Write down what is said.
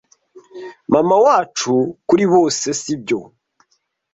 mama wacu kuri bose sibyo